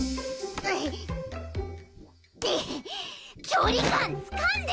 距離感つかんでくれ！